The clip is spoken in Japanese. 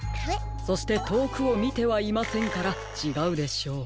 そしてとおくをみてはいませんからちがうでしょう。